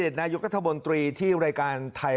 ทำบุญให้กับพี่น้องคนไทยทั่วประเทศ